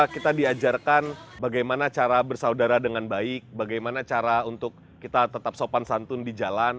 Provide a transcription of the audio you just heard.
kita diajarkan bagaimana cara bersaudara dengan baik bagaimana cara untuk kita tetap sopan santun di jalan